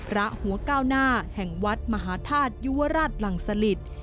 หัวก้าวหน้าแห่งวัดมหาธาตุยุวราชหลังสลิต